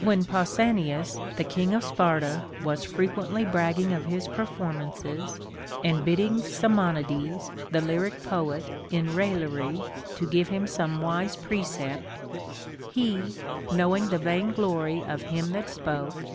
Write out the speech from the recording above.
i AVhen Pausanias the king of Sparta was frequently brag ging of his performances, and bidding Simonides the lyric poet in raillery to give him some wise precept, he, know ing the vain glory of him that spoke